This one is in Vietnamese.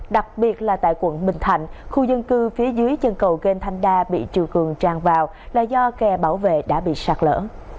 đặc biệt là tại quận bình thạnh khu dân cư phía dưới chân cầu gan thanh đa bị triều cường tràn vào là do kè bảo vệ đã bị sạt lỡ